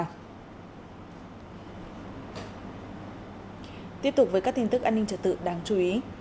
cảnh sát trật tự đáng chú ý